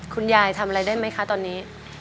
คุณยายทำอะไรได้ไหมคะตอนนี้